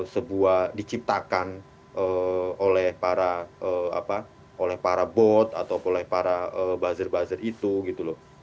sebuah diciptakan oleh para bot atau oleh para buzzer buzzer itu gitu loh